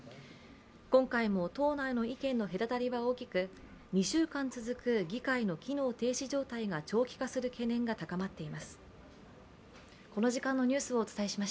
今回も党内の意見の隔たりは大きく２週間続く議会の機能停止状態が長期化する懸念が高まっています。